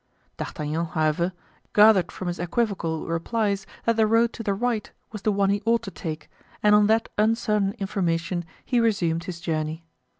D'Artagnan, however, gathered from his equivocal replies that the road to the right was the one he ought to take, and on that uncertain information he resumed his journey.